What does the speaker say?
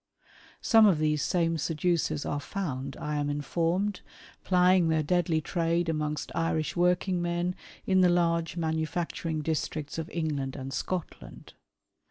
Some of these same seducers are found, I am informed, plying their deadly trade amongst Irish working men in the large manufacturing districts of England and Scotland.